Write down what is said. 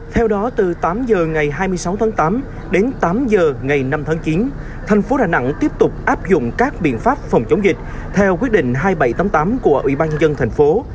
theo đó từ tám h ngày hai mươi sáu tháng tám đến tám giờ ngày năm tháng chín thành phố đà nẵng tiếp tục áp dụng các biện pháp phòng chống dịch theo quyết định hai nghìn bảy trăm tám mươi tám của ủy ban nhân dân thành phố